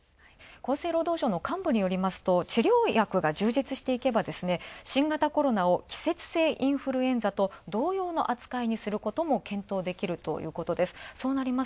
厚生労働省の幹部によりますと治療薬が充実していけば、新型コロナを季節性インフルエンザと同様の扱いに検討できるということです。